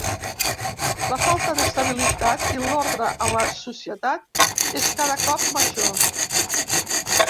La falta d'estabilitat i ordre a la societat és cada cop major.